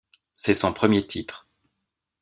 C'est son premier titre.